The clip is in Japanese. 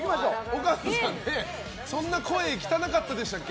岡野さん、そんな声汚かったでしたっけ？